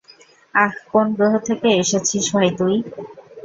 আহ, কোন গ্রহ থেকে এসেছিস ভাই তুই?